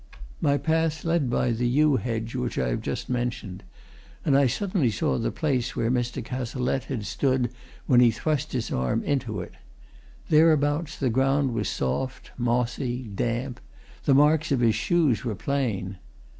My path led by the yew hedge which I have just mentioned, and I suddenly saw the place where Mr. Cazalette had stood when he thrust his arm into it; thereabouts, the ground was soft, mossy, damp: the marks of his shoes were plain.